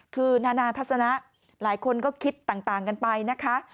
คือนานาทัศนะหลายคนก็คิดต่างกันไปนะคะ